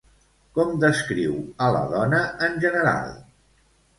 Com descriu a la dona en general?